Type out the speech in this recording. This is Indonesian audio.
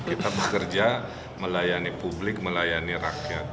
kita bekerja melayani publik melayani rakyat